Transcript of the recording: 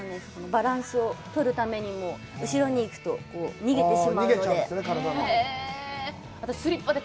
バランスを取るためにも、後ろに行くと逃げてしまうので。